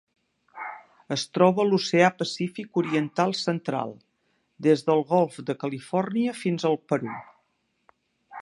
Es troba a l'Oceà Pacífic oriental central: des del Golf de Califòrnia fins al Perú.